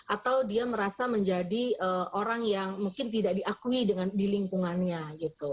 atau dia merasa menjadi orang yang mungkin tidak diakui di lingkungannya gitu